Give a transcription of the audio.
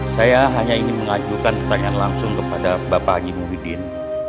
saya hanya ingin mengajukan pertanyaan langsung kepada bapak haji muhyiddin